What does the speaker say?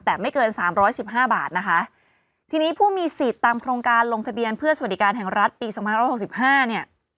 แต่ไม่เกิน๓๑๕บาทนะคะทีนี้ผู้มีสิทธิ์ตามโครงการลงทะเบียนเพื่อสวัสดิการแห่งรัฐปี๒๑๖๕เนี่ย